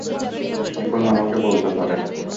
এখন আমাকে বলতে পারেন।